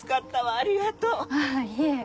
あぁいえ。